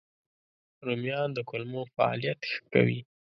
رومیان د کولمو فعالیت ښه کوي